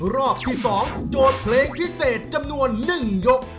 รอบที่๒โจทย์เพลงพิเศษจำนวน๑ยก